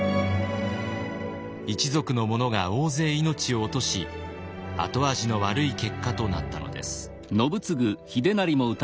一族の者が大勢命を落とし後味の悪い結果となったのです。